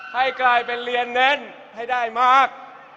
ให้กลายเป็นเรียนเน้นให้ได้มาก